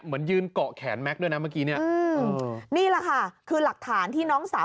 เหมือนยืนเกาะแขนแม็กซด้วยนะเมื่อกี้เนี่ยอืมนี่แหละค่ะคือหลักฐานที่น้องสาว